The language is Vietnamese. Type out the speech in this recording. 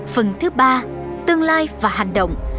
phần thứ ba tương lai và hành động